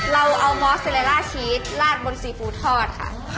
เราเอามอสเซเลล่าชีสลาดบนซีฟู้ดทอดค่ะ